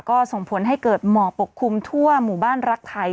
ก็ส่งผลให้เกิดหมอกปกคลุมทั่วหมู่บ้านรักไทย